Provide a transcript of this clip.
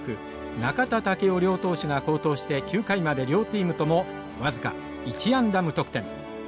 中田武雄両投手が好投して９回まで両チームとも僅か１安打無得点。